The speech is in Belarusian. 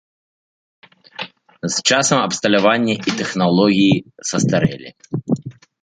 З часам абсталяванне і тэхналогіі састарэлі.